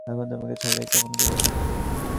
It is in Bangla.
এখন তোমাকে ছাড়িয়া কেমন করিয়া থাকিব।